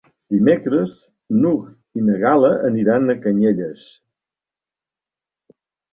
Dimecres n'Hug i na Gal·la aniran a Canyelles.